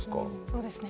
そうですね。